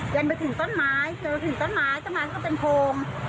จนไปถึงต้นไม้เจอถึงต้นไม้ต้นไม้ก็เป็นโพง